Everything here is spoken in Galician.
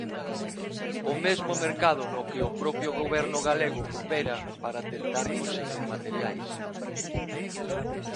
O mesmo mercado no que o propio Goberno galego opera para tentar conseguir materiais.